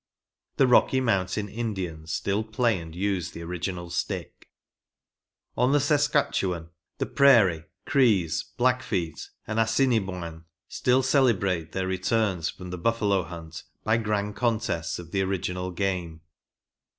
The Rocky Mountain Indians still play and use the original stick. On the Saskatchewan, the Prairie, Crees, Black feet and Assinniboines still celebrate their returns from the buffalo hunt by grand contests of the original wame.